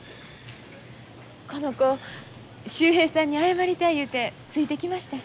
この子秀平さんに謝りたい言うてついてきましてん。